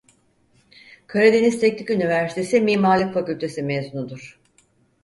Karadeniz Teknik Üniversitesi Mimarlık Fakültesi mezunudur.